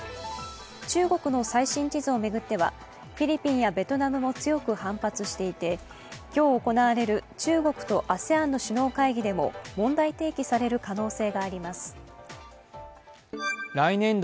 中国の最新地図を巡っては、フィリピンやベトナムも強く反発していて、今日行われる中国とＡＳＥＡＮの首脳会議でも問題提起される可能性があります。